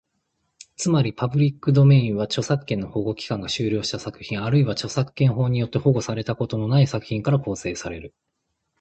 つまり、パブリックドメインは、著作権の保護期間が終了した作品、あるいは著作権法によって保護されたことのない作品から構成される。